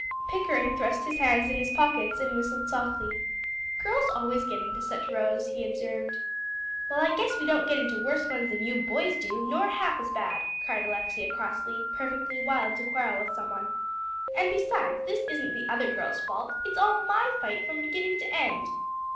Pickering thrust his hands in his pockets, and whistled softly. "Girls always get into such rows," he observed. "Well, I guess we don't get into worse ones than you boys do, nor half as bad," cried Alexia crossly, perfectly wild to quarrel with somebody. "And, besides, this isn't the other girls' fault. It's all my fight from beginning to end."